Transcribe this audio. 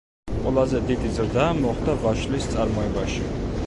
ყველაზე დიდი ზრდა მოხდა ვაშლის წარმოებაში.